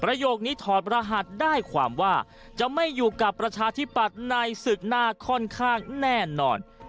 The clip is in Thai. โยคนี้ถอดรหัสได้ความว่าจะไม่อยู่กับประชาธิปัตย์ในศึกหน้าค่อนข้างแน่นอน